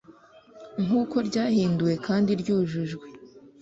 nkuko ryahinduwe kandi ryujujwe